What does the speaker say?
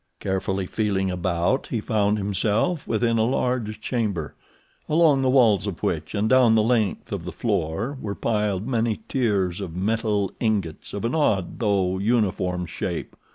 Carefully feeling about, he found himself within a large chamber, along the walls of which, and down the length of the floor, were piled many tiers of metal ingots of an odd though uniform shape.